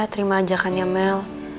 terima ajakannya mel